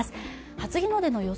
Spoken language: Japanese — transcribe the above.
初日の出の予想